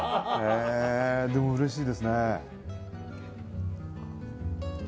でもうれしいですね。